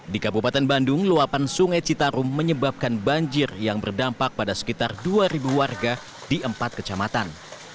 di kabupaten bandung luapan sungai citarum menyebabkan banjir yang berdampak pada sekitar dua warga di empat kecamatan